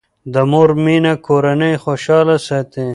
د مور مینه کورنۍ خوشاله ساتي.